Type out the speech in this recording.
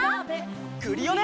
クリオネ！